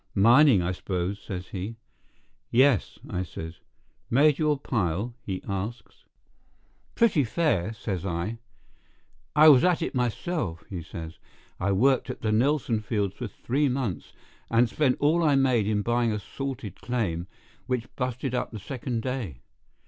"Mining, I suppose?" says he. "Yes," I says. "Made your pile?" he asks. "Pretty fair," says I. "I was at it myself," he says; "I worked at the Nelson fields for three months, and spent all I made in buying a salted claim which busted up the second day.